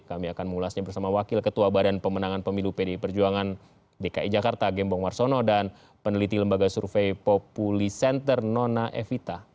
kami akan mengulasnya bersama wakil ketua badan pemenangan pemilu pdi perjuangan dki jakarta gembong warsono dan peneliti lembaga survei populi center nona evita